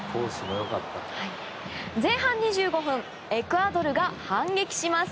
前半２５分エクアドルが反撃します。